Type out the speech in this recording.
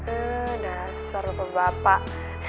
eh dasar bapak bapak